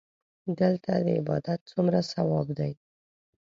دلته د عبادت څومره ثواب دی.